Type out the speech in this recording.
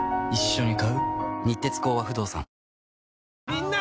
みんな！